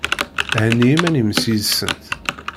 Henni iman-im seg-sent!